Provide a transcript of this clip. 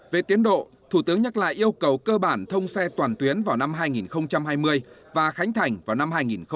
về tiến độ thủ tướng nhắc lại yêu cầu cơ bản thông xe toàn tuyến vào năm hai nghìn hai mươi và khánh thành vào năm hai nghìn hai mươi một